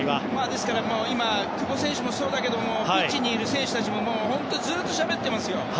ですから今の久保選手もそうだけどピッチにいる選手たちも本当にずっとしゃべってますよ。